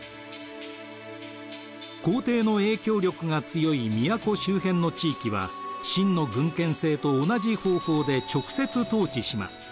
皇帝の影響力が強い都周辺の地域は秦の郡県制と同じ方法で直接統治します。